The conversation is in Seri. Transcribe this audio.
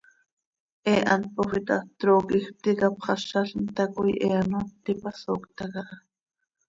He hant pofii ta, trooquij pti capxázalim tacoi he ano ntipat sooctam caha.